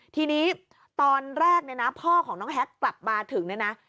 ทีนี้ตอนแรกนะพ่อของน้องแฮ็กกลับมาถึงนะ